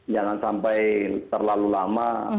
jangan sampai terlalu lama